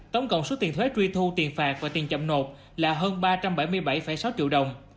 tổng cộng số tiền thuế truy thu tiền phạt và tiền chậm nộp là hơn ba trăm bảy mươi bảy sáu triệu đồng